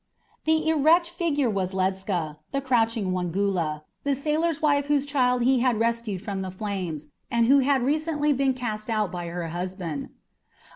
The erect figure was Ledscha, the crouching one Gula, the sailor's wife whose child he had rescued from the flames, and who had recently been cast out by her husband.